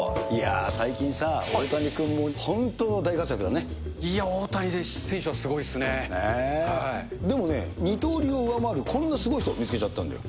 最近さ、いやー、大谷選手はすごいっでもね、二刀流を上回るこんなすごい人、見つけちゃったんだよ。